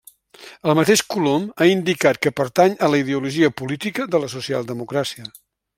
El mateix Colom ha indicat que pertany a la ideologia política de la socialdemocràcia.